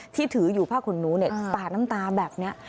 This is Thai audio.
ที่ถืออยู่ผ้าขุนนูเนี่ยปากน้ำตาแบบเนี่ย